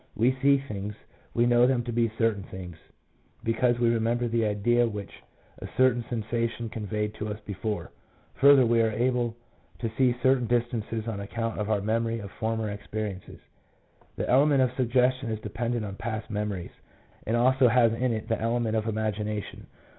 We see things, we know them to be certain things, because we remember the idea which a certain sensation conveyed to us before. Further, we are able to see certain distances on account of our memory of former experiences. The element of suggestion is dependent on past memories, and also has in it the element of imagination.